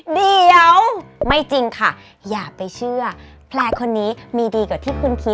เดี๋ยวไม่จริงค่ะอย่าไปเชื่อแพลร์คนนี้มีดีกว่าที่คุณคิด